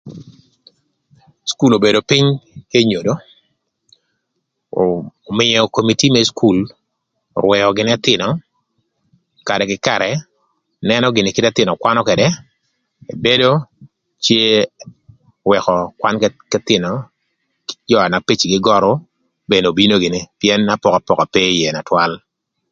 Cukul obedo pïny k'enyodo ömïö komiti më cukul örwëö gïnï ëthïnö karë kï karë, nënö gïnï kite ëthïnö kwanö këdë ebedo cë wëkö kwan k'ëthïnö kï jö na pecigï görü bene obino gïnï pïën apokapoka ope ïë na twal.